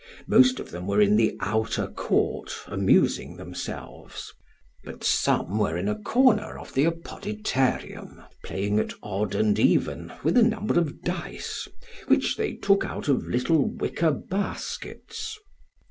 Most of them were in the outer court amusing themselves; but some were in a corner of the Apodyterium playing at odd and even with a number of dice, which they took out of little wicker baskets.